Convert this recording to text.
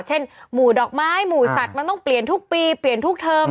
หมู่ดอกไม้หมู่สัตว์มันต้องเปลี่ยนทุกปีเปลี่ยนทุกเทอม